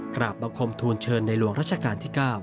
กราบบังคมทูลเชิญในหลวงรัชกาลที่๙